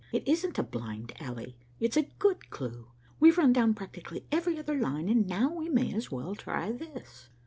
"It isn't a blind alley. It's a good clue. We've run down practically every other line, and now we may as well try this.